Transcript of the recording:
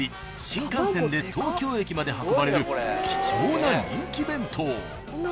新幹線で東京駅まで運ばれる貴重な人気弁当］